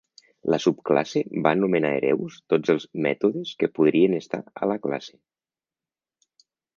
La subclasse va nomenar hereus tots els mètodes que podrien estar a la classe.